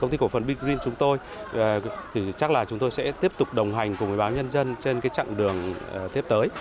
công ty cổ phần big green chúng tôi thì chắc là chúng tôi sẽ tiếp tục đồng hành cùng ubnd trên cái trạng đường tiếp tới